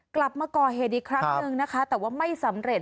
กลับมาก่อเหตุอีกครั้งหนึ่งนะคะแต่ว่าไม่สำเร็จ